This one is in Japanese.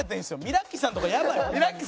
ミラッキさんとかやばい。